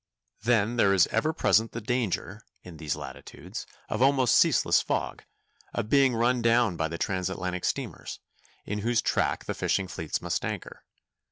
Then there is ever present the danger, in these latitudes of almost ceaseless fog, of being run down by the transatlantic steamers, in whose track the fishing fleets must anchor.